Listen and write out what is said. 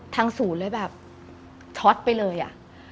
ทางศูนย์เลยแบบช็อตไปเลยอ่ะ